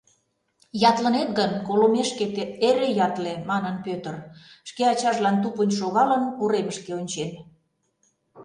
— Ятлынет гын, колымешкет, эре ятле, — манын Пӧтыр, шке ачажлан тупынь шогалын, уремышке ончен.